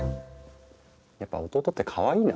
やっぱ弟ってかわいいな！